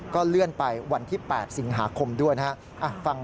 เลื่อนไปวันที่๘สิงหาคมด้วยนะครับ